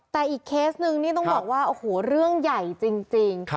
แต่อีกเคสนึงต้องบอกว่าเรื่องใหญ่จริง